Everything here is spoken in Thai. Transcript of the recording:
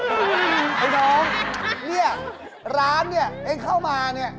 ไอ้น้องนี่ร้านนี่นายเข้ามานี่